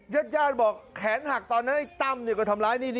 ญาติญาติบอกแขนหักตอนนั้นไอ้ตั้มก็ทำร้ายนี่